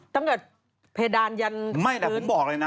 ตั้งแต่เพดานยัน